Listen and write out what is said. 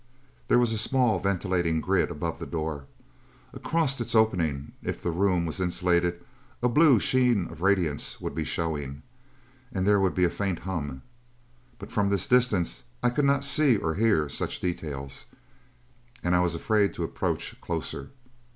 There was a small ventilating grid above the door. Across its opening, if the room was insulated, a blue sheen of radiance would be showing. And there would be a faint hum. But from this distance I could not see or hear such details, and I was afraid to approach closer.